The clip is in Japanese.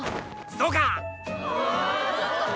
そうか！